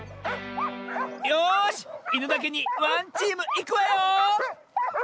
よし犬だけにワンチームいくわよ！